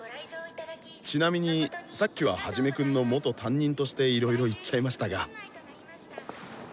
ちなみにさっきはハジメくんの元担任としていろいろ言っちゃいましたが。